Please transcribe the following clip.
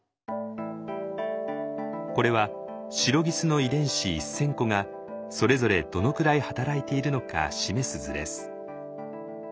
これはシロギスの遺伝子１，０００個がそれぞれどのくらい働いているのか示す図です。